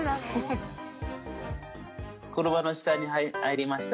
車の下に入りましたね。